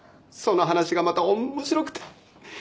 その話がまた面白くて。